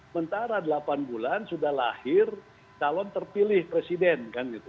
mentara delapan bulan sudah lahir calon terpilih presiden